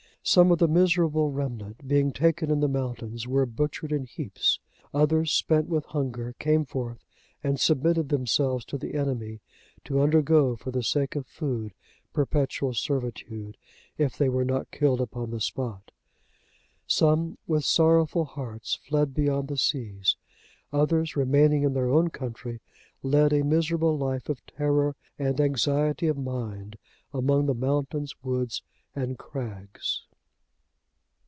Some of the miserable remnant, being taken in the mountains, were butchered in heaps. Others, spent with hunger, came forth and submitted themselves to the enemy, to undergo for the sake of food perpetual servitude, if they were not killed upon the spot. Some, with sorrowful hearts, fled beyond the seas. Others, remaining in their own country, led a miserable life of terror and anxiety of mind among the mountains, woods and crags.